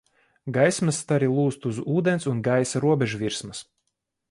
Gaismas stari lūzt uz ūdens un gaisa robežvirsmas.